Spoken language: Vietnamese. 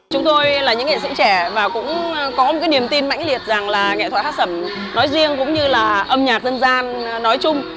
chúng tôi là những nghệ sĩ trẻ và cũng có một cái niềm tin mãnh liệt rằng là nghệ thuật hát sẩm nói riêng cũng như là âm nhạc dân gian nói chung